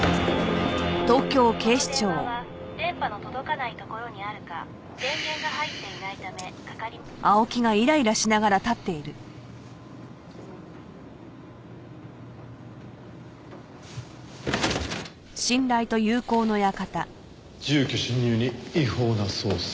「この電話は電波の届かない所にあるか電源が入っていないためかかり」住居侵入に違法な捜査。